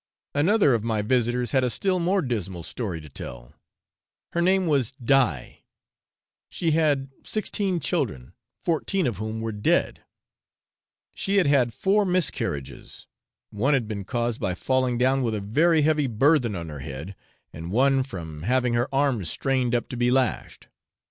Another of my visitors had a still more dismal story to tell; her name was Die; she had had sixteen children, fourteen of whom were dead; she had had four miscarriages, one had been caused by falling down with a very heavy burthen on her head, and one from having her arms strained up to be lashed.